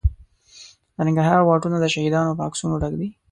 د ننګرهار واټونه د شهیدانو په عکسونو ډک دي.